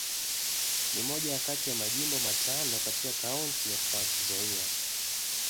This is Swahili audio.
Ni moja kati ya Majimbo matano katika Kaunti ya Trans-Nzoia.